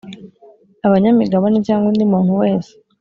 abanyamigabane cyangwa undi muntu wese